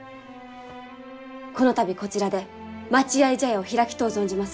この度こちらで待合茶屋を開きとう存じます。